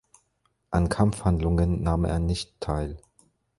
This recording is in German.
An Kampfhandlungen nahm er nicht teil.